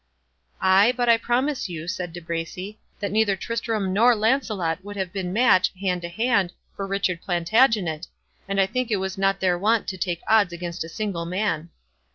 "Ay, but I promise you," said De Bracy, "that neither Tristram nor Lancelot would have been match, hand to hand, for Richard Plantagenet, and I think it was not their wont to take odds against a single man."